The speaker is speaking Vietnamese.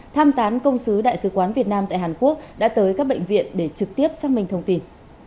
tham tán công sứ đại sứ quán việt nam tại hàn quốc đã tới các bệnh viện để trực tiếp xác minh thông tin